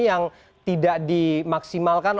yang tidak dimaksimalkan